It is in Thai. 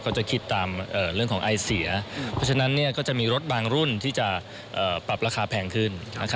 ก็จะคิดตามเรื่องของไอเสียเพราะฉะนั้นก็จะมีรถบางรุ่นที่จะปรับราคาแพงขึ้น